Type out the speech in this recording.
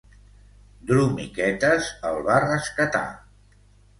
Dromiquetes el va rescatar.